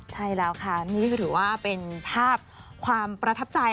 ใช่แล้วค่ะนี่ก็ถือว่าเป็นภาพความประทับใจ